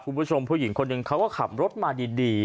คุณผู้ชมผู้หญิงคนหนึ่งเขาก็ขับรถมาดี